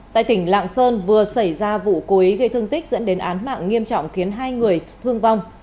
tại tỉnh lạng sơn vừa xảy ra vụ cố ý gây thương tích dẫn đến án mạng nghiêm trọng khiến hai người thương vong